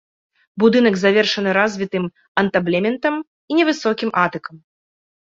Будынак завершаны развітым антаблементам і невысокім атыкам.